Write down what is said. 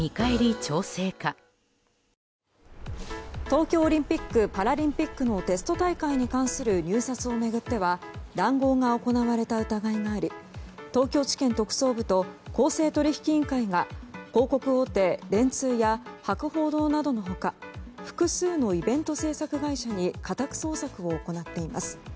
東京オリンピック・パラリンピックのテスト大会に関する入札を巡っては談合が行われた疑いがあり東京地検特捜部と公正取引委員会が広告大手・電通や博報堂などの他複数のイベント制作会社に家宅捜索を行っています。